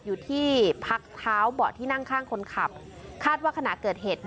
อยู่ที่พักเท้าเบาะที่นั่งข้างคนขับคาดว่าขณะเกิดเหตุ